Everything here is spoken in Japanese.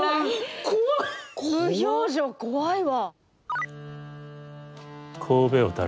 無表情怖いわ。